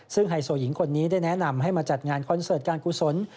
ซึ่งไฮโซหญิงคนนี้ได้แนะนำให้มาจัดงานคอนเสิร์ตการกุศล